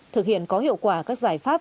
thực hiện có hiệu quả các giải pháp